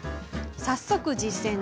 早速、実践。